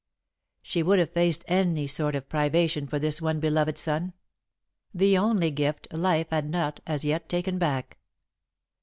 She would have faced any sort of privation for this one beloved son the only gift Life had not as yet taken back.